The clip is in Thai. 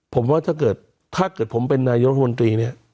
ผมว่าถ้าเกิดถ้าเกิดผมเป็นนายรัฐมนตรีเนี่ย